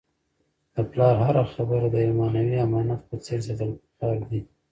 د پلار هره خبره د یو معنوي امانت په څېر ساتل پکار دي.